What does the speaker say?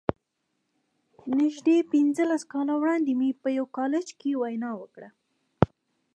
نږدې پينځلس کاله وړاندې مې په يوه کالج کې وينا وکړه.